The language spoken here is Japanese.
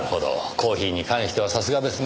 コーヒーに関してはさすがですね。